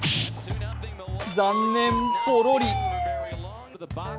残念、ポロリ。